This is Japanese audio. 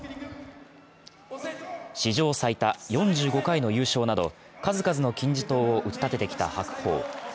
史上最多４５回の優勝など数々の金字塔を打ち立ててきた白鵬。